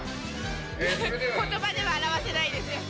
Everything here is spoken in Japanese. ことばでは表せないです。